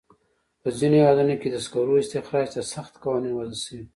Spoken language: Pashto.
په ځینو هېوادونو کې د سکرو استخراج ته سخت قوانین وضع شوي.